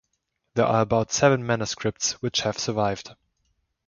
There are about seven manuscripts which have survived.